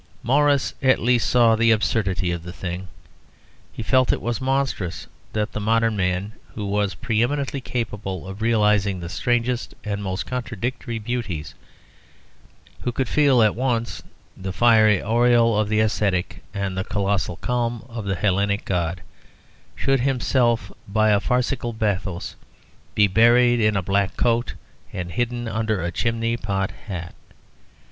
Morris at least saw the absurdity of the thing. He felt it was monstrous that the modern man, who was pre eminently capable of realising the strangest and most contradictory beauties, who could feel at once the fiery aureole of the ascetic and the colossal calm of the Hellenic god, should himself, by a farcical bathos, be buried in a black coat, and hidden under a chimney pot hat.